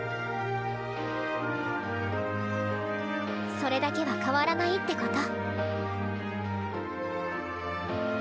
それだけは変わらないってこと。